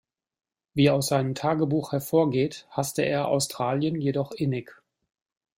Wie aus seinem Tagebuch hervorgeht, hasste er Australien jedoch innig.